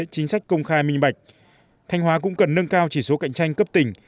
chính sách công khai minh bạch thanh hóa cũng cần nâng cao chỉ số cạnh tranh cấp tỉnh